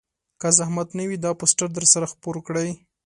که زحمت نه وي دا پوسټر درسره خپور کړئ